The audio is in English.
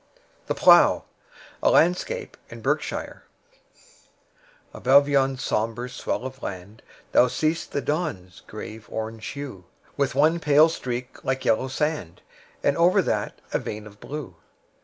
The Plough A LANDSCAPE IN BERKSHIRE ABOVE yon sombre swell of land Thou see'st the dawn's grave orange hue, With one pale streak like yellow sand, And over that a vein of blue.